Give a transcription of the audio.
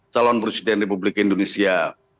calon presiden republik indonesia